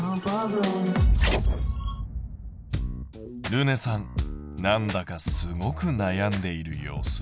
るねさんなんだかすごく悩んでいる様子。